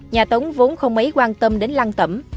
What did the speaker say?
nhà tống vốn không mấy quan tâm đến lăng tẩm